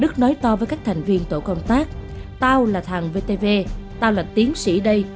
các thành viên tổ công tác tao là thằng vtv tao là tiến sĩ đây